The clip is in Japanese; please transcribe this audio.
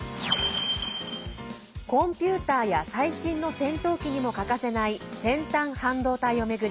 コンピューターや最新の戦闘機にも欠かせない先端半導体を巡り